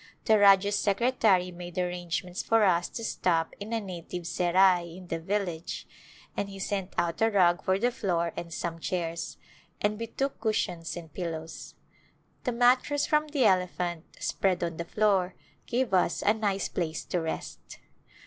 The Rajah's secretary made arrangements for us to stop in a native serai in the village and he sent out a rug for the floor and some chairs, and we took cushions and pillows. The mattress from the elephant, spread on the floor, gave us a nice place to rest.